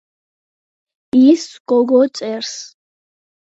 ის გოგო წერს.